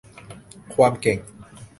ความเก่ง